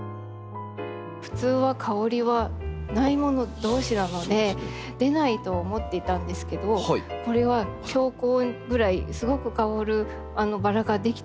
普通は香りはない者同士なので出ないと思っていたんですけどこれは強香ぐらいすごく香るバラが出来たんですね。